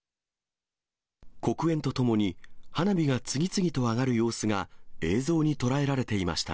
黒煙とともに、花火が次々と上がる様子が映像に捉えられていました。